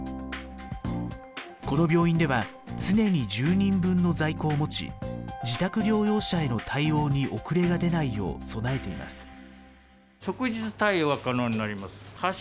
この病院では常に１０人分の在庫を持ち自宅療養者への対応に遅れが出ないよう備えています。